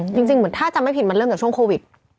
จริงเหมือนถ้าจำไม่ผิดมันเริ่มจากช่วงโควิด